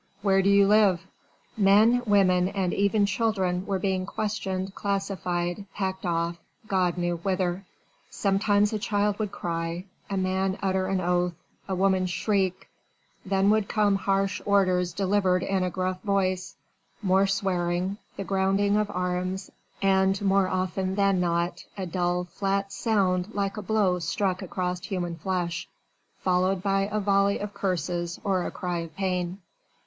"Where do you live?" Men, women and even children were being questioned, classified, packed off, God knew whither. Sometimes a child would cry, a man utter an oath, a woman shriek: then would come harsh orders delivered in a gruff voice, more swearing, the grounding of arms and more often than not a dull, flat sound like a blow struck against human flesh, followed by a volley of curses, or a cry of pain.